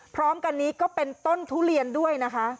พร้อมกันนี้ก็เป็นต้นทุเรียนด้วยนะคะ